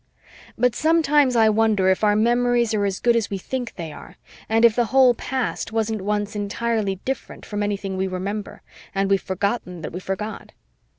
But sometimes I wonder if our memories are as good as we think they are and if the whole past wasn't once entirely different from anything we remember, and we've forgotten that we forgot.